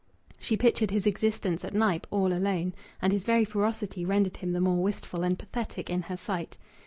She pictured his existence at Knype, all alone; and his very ferocity rendered him the more wistful and pathetic in her sight.